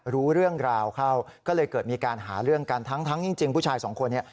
รู้เรื่องราวเข้าก็เลยเกิดมีการหาเรื่องกันทั้งจริงผู้ชายสองคนเนี่ย